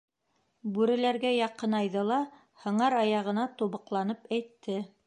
Бүреләргә яҡынайҙы ла һыңар аяғына тубыҡланып әйтте: